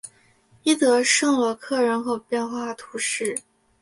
伊德圣罗克人口变化图示